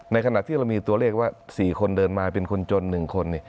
ขณะที่เรามีตัวเลขว่า๔คนเดินมาเป็นคนจน๑คน